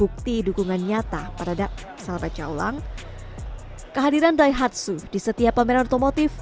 kehadiran daihatsu di setiap pameran otomotif